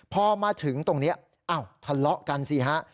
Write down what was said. พอมาถึงตรงนี้อ้าวทะเลาะกันสิฮะ